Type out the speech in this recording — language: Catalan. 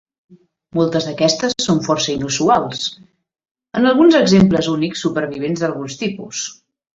Moltes d'aquestes són força inusuals, amb alguns exemples únics supervivents d'alguns tipus.